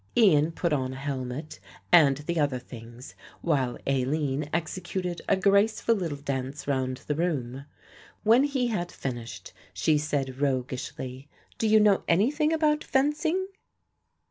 Ian put on a helmet and the other things while Aline executed a graceful little dance round the room. When he had finished she said roguishly, "Do you know anything about fencing?